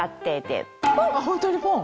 ホントにポン！